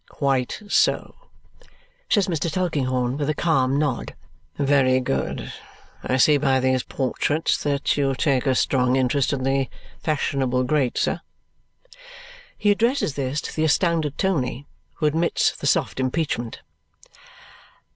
"Quite so," says Mr. Tulkinghorn with a calm nod. "Very good; I see by these portraits that you take a strong interest in the fashionable great, sir?" He addresses this to the astounded Tony, who admits the soft impeachment.